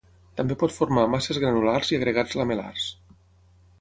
També pot formar masses granulars i agregats lamel·lars.